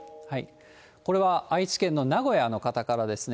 これは愛知県の名古屋の方からですね。